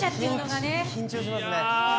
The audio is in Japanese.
緊張しますね。